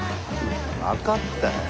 分かったよ。